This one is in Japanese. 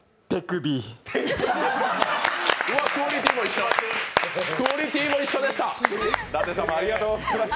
クオリティーも一緒でした。